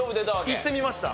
いってみました。